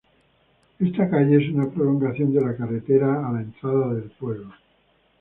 Esta calle es una prolongación de la carretera a la entrada del pueblo.